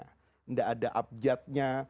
tidak ada abjadnya